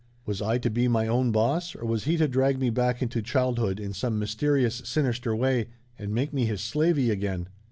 Was I to be my own boss or was he to drag me back into childhood in some mysterious, sinister way, and make me his slavey again?